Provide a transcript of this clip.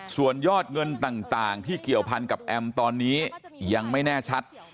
ส่วนยอดเงินต่างที่เกี่ยวพันกับแอมตอนนี้ยังไม่แน่ชัด